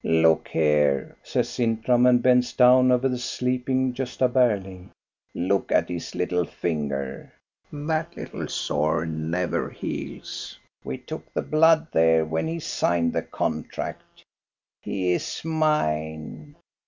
"Look here," says Sintram, and bends down over the sleeping Gosta Berling; "look at his little finger. That little sore never heals. We took the blood there when he signed the contract. He is mine.